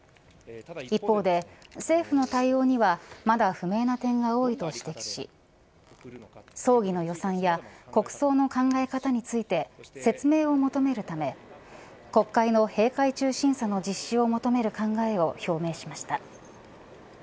一方で政府の対応にはまだ不明な点が多いと指摘し葬儀の予算や国葬の考え方について説明を求めるため国会の閉会中審査の実施を求める考えを表明しました。